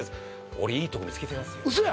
俺いいとこ見つけてますよ嘘や！